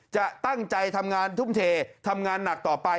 จะตั้งใจทำงานทุ่มเททำงานหนักต่อไป